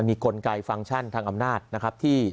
ทางอำนาจนะครับที่